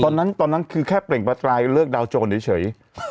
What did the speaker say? ตอนนั้นตอนนั้นคือแค่เปล่งประกายเลิกดาวโจรเฉย